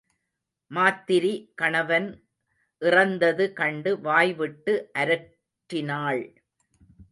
மாத்திரி கணவன் இறந்தது கண்டு வாய்விட்டு அரற்றினாள்.